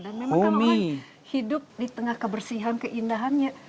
dan memang kalau orang hidup di tengah kebersihan keindahannya